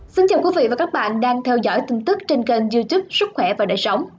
xin chào quý vị và các bạn đang theo dõi tin tức trên kênh youtube sức khỏe và đời sống